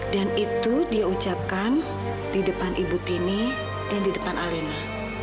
dan itu dia ucapkan di depan ibu tini dan di depan alina